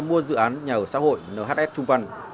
mua dự án nhà ở xã hội nhs trung văn